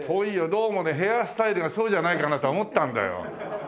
どうもねヘアスタイルがそうじゃないかなと思ったんだよ。